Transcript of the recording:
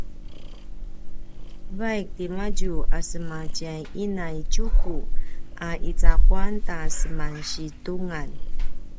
vaik timadju a sema tjay ina i Tjuku a icaquan ta seman situngan